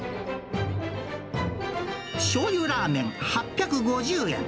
しょうゆラーメン８５０円。